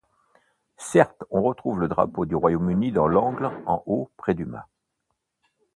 Certes, on retrouve le drapeau du Royaume-Uni dans l'angle en haut près du mat.